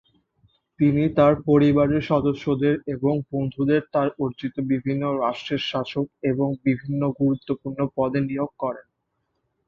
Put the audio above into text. তিনি তার পরিবারের সদস্যদের এবং বন্ধুদের তার অর্জিত বিভিন্ন রাষ্ট্রের শাসক এবং বিভিন্ন গুরুত্বপূর্ণ পদে নিয়োগ করেন।